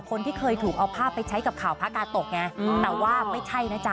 คนที่เคยถูกเอาภาพไปใช้กับข่าวพระกาตกไงแต่ว่าไม่ใช่นะจ๊ะ